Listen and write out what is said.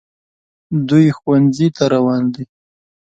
دوی ښوونځي ته روان دي